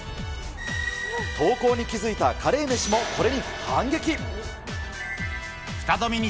投稿に気づいたカレーメシもこれに反撃。